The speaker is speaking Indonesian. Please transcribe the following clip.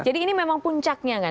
jadi ini memang puncaknya kan